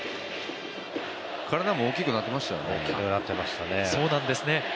体も大きくなっていましたよ。